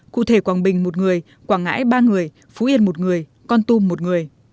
cụ thể quảng bình một người quảng ngãi ba người phú yên một người con tum một người